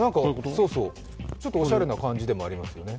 ちょっとおしゃれな感じでもありますよね。